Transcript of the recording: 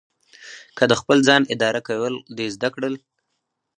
که د خپل ځان اداره کول دې زده کړل.